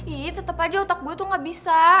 ih tetep aja otak gue tuh gak bisa